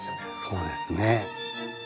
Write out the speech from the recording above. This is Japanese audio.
そうですね。